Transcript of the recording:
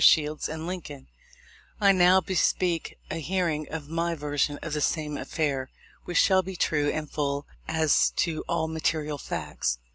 Shields and Lincoln, I now bespeak a hearing of my version of the same affair, which shall be true and full as to all mate rial facts.